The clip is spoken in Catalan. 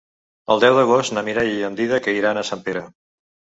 El deu d'agost na Mireia i en Dídac iran a Sempere.